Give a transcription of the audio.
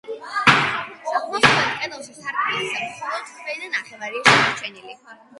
აღმოსავლეთ კედელში სარკმლის მხოლოდ ქვედა ნახევარია შემორჩენილი.